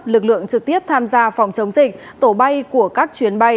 lực lượng trực tiếp tham gia phòng chống dịch tổ bay của các chuyến bay